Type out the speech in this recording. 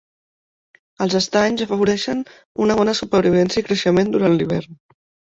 Els estanys afavoreixen una bona supervivència i creixement durant l'hivern.